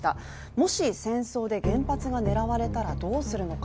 もし戦争で原発が狙われたらどうするのか。